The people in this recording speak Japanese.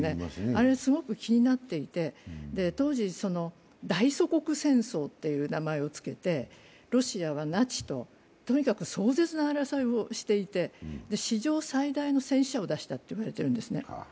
あれはすごく気になっていて、当時「大祖国戦争」という名前をつけて、ロシアはナチととにかく壮絶な争いをしていて、史上最大の戦死者を出したと言われているんですね。